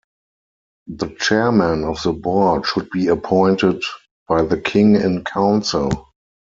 The Chairman of the board should be appointed by the King in Council.